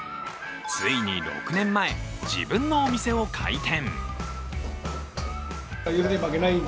ついに６年前、自分のお店を開店。